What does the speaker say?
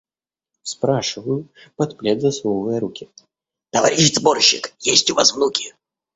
Спрашиваю, под плед засовывая руки: – Товарищ сборщик, есть у вас внуки?